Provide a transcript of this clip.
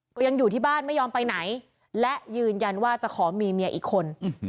ก็ยังอยู่ที่บ้านไม่ยอมไปไหนและยืนยันว่าจะขอมีเมียอีกคน